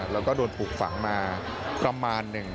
แล้วก็โดนปลูกฝังมาประมาณหนึ่ง